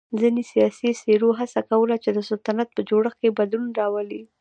ځینو سیاسی څېرو هڅه کوله چې د سلطنت په جوړښت کې بدلون راولي.